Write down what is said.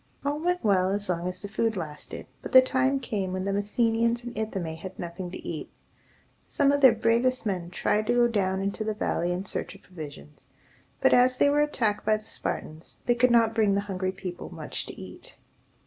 All went well as long as the food lasted, but the time came when the Messenians in Ithome had nothing to eat. Some of their bravest men tried to go down into the valley in search of provisions; but, as they were attacked by the Spartans, they could not bring the hungry people much to eat.